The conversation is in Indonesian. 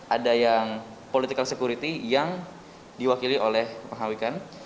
ada yang political security yang diwakili oleh pengawikan